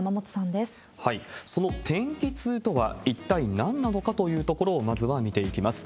その天気痛とは一体なんなのかというところを、まずは見ていきます。